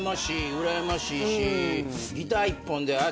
うらやましいし。